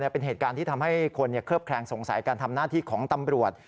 เป็นเหตุการณ์ที่ทำให้คนเคลือบแคลงสงสัยการทำหน้าที่ของตำรวจ